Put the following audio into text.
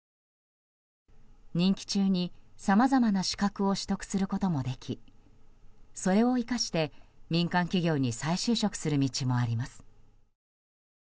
任期中に、さまざまな資格を取得することもできそれを生かして民間企業に再就職する道もあります。